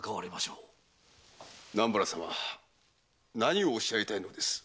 南原様何をおっしゃりたいのです？